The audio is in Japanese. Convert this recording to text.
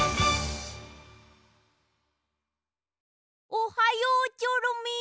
おはようチョロミー。